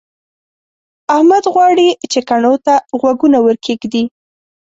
احمد غواړي چې کڼو ته غوږونه ورکېږدي.